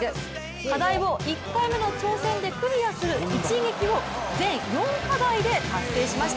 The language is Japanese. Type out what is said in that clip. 課題を１回目の挑戦でクリアする一撃を全４課題で達成しました。